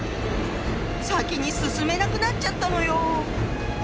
先に進めなくなっちゃったのよ！